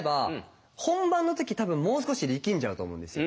本番の時多分もう少し力んじゃうと思うんですよ。